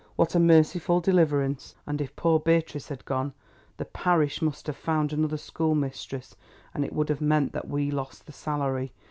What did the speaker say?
What a merciful deliverance! And if poor Beatrice had gone the parish must have found another schoolmistress, and it would have meant that we lost the salary.